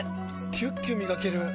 キュッキュ磨ける！